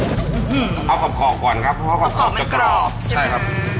เอากรอบขอบก่อนครับเพราะว่ากรอบไม่กรอบใช่ไหม